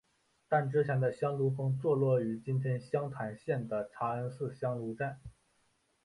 但之前的香炉峰坐落于今天湘潭县的茶恩寺香炉寨。